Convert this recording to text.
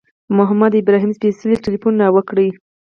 محمد ابراهیم سپېڅلي تیلفون را وکړ.